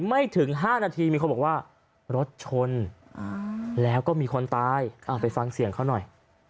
ไม่ถึง๕นาทีมีคนบอกว่ารถชนแล้วก็มีคนตายไปฟังเสียงเขาหน่อย